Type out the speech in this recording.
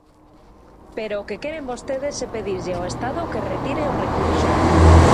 Pero o que queren vostedes é pedirlle ao Estado que retire o recurso.